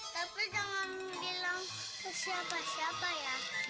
tapi jangan bilang ke siapa siapa ya